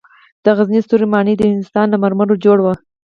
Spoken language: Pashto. د غزني ستوري ماڼۍ د هندوستان له مرمرو جوړه وه